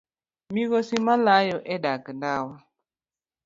Migosi malayo e dag ndawa